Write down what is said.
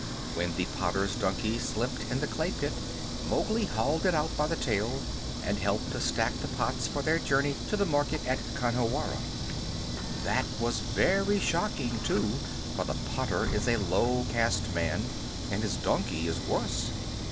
When the potter's donkey slipped in the clay pit, Mowgli hauled it out by the tail, and helped to stack the pots for their journey to the market at Khanhiwara. That was very shocking, too, for the potter is a low caste man, and his donkey is worse.